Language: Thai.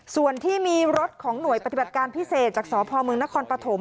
ส่วนที่มีรถของหน่วยปฏิบัติการพิเศษจากสพเมืองนครปฐม